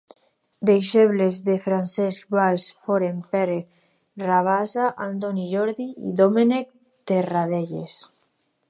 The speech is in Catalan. Deixebles de Francesc Valls foren Pere Rabassa, Antoni Jordi i Domènec Terradelles.